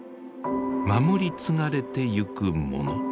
守り継がれていくもの。